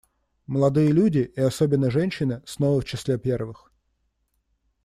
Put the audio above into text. Молодые люди — и особенно женщины — снова в числе первых.